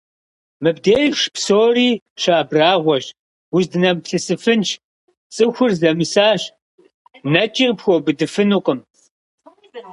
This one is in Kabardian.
Мыбдеж псори щыабрагьуэщ, уздынэмыплъысыфынщ: цӀыхур зэмысащ, нэкӀи къыпхуэубыдыфынукъым.